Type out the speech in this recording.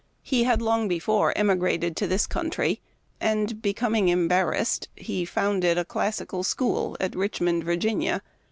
He had long before emigrated to this country, and, be coming embarrassed, he founded a classical school at Rich mond, Va.